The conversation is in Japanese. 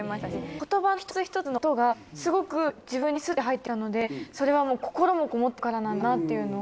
言葉の一つ一つの音がすごく自分にスッて入ってきたのでそれは心もこもってるからなんだなっていうのを。